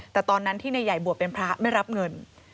แต่ตอนนั้นที่นายใหญ่บวชเป็นพระไม่รับเงิน